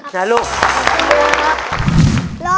ค่ะลูกขอบคุณก่อนครับ